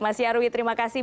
mas yarwi terima kasih